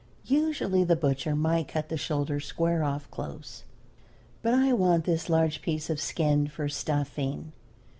Usually the butcher might cut the shoulder square off close, but I want this large piece of skin for stuffing.